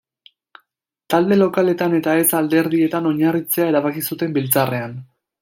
Talde lokaletan eta ez alderdietan oinarritzea erabaki zuten biltzarrean.